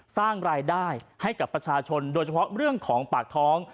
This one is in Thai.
สร้างรายได้ให้กับประชาชนโดยเฉพาะเรื่องของปากท้อง